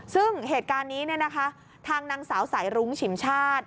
ซึ่งเหตุการณ์นี้ทางนางสาวสายรุ้งฉิมชาติ